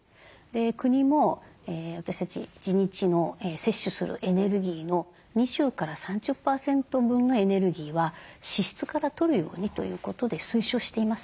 国も私たち１日の摂取するエネルギーの２０３０％分のエネルギーは脂質からとるようにということで推奨しています。